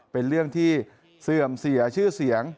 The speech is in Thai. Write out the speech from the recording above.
เป็นเรื่องที่เสื่อมเสียชื่อเสียง